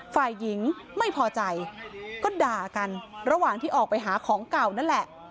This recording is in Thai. ฝ่ายหญิงไม่พอใจก็ด่ากันระหว่างที่ออกไปหาของเก่านั่นแหละ